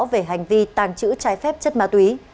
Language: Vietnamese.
về hành vi tàng trữ trái phép chất ma túy